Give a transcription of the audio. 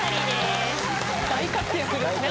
大活躍ですね